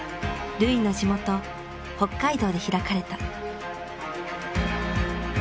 瑠唯の地元北海道で開かれた。